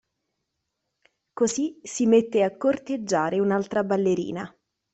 Così si mette a corteggiare un'altra ballerina.